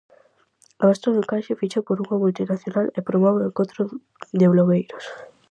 A Mostra do Encaixe ficha por unha multinacional e promove o encontro de blogueiros.